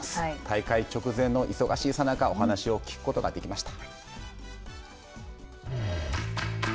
大会直前の忙しいさなかお話を聞くことができました。